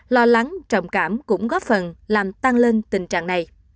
lo lắng trầm cảm cũng góp phần làm tăng lên tình trạng này